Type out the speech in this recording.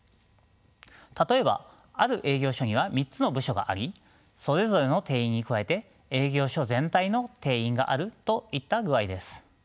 例えばある営業所には３つの部署がありそれぞれの定員に加えて営業所全体の定員があるといった具合です。